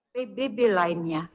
pembelajaran pbi lainnya